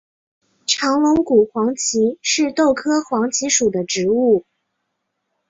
长龙骨黄耆是豆科黄芪属的植物。